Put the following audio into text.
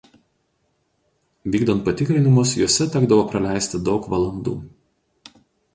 Vykdant patikrinimus juose tekdavo praleisti daug valandų.